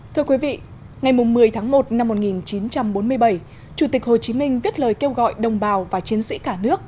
thưa quý vị ngày một mươi tháng một năm một nghìn chín trăm bốn mươi bảy chủ tịch hồ chí minh viết lời kêu gọi đồng bào và chiến sĩ cả nước